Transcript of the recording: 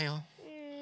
うん。